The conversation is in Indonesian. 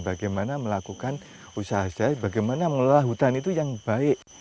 bagaimana melakukan usaha usaha bagaimana mengelola hutan itu yang baik